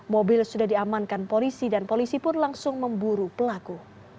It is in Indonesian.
mobil sudah diamankan polisi dan polisi pun langsung memburu pelaku